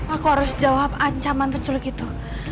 aku harus jawab ancaman peculik itu